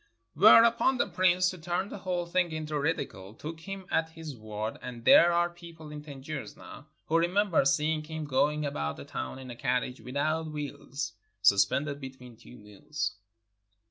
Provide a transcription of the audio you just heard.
Whereupon the Prince, to turn the whole thing into ridicule, took him at his word, and there are people in Tangier now who remember seeing him going about the town in a carriage without wheels, suspended between two mules!